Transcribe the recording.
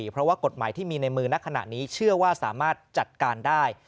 เพราะว่ากฎหมายที่มีในมือณขณะนี้เชื่อว่าสามารถจัดการได้